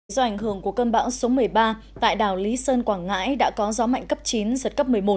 do ảnh hưởng của cơn bão số một mươi ba tại đảo lý sơn quảng ngãi đã có gió mạnh cấp chín giật cấp một mươi một